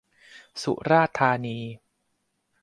สุราษฏร์ธานี